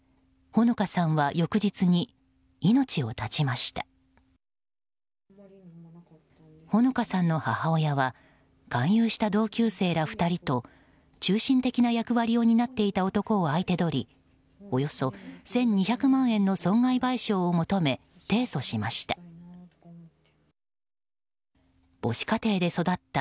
穂野香さんの母親は勧誘した同級生ら２人と中心的な役割を担っていた男を相手取りおよそ１２００万円の損害賠償を求め、提訴しました。